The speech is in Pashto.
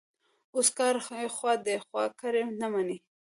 اوس که هر ایخوا دیخوا کړي، نه مني.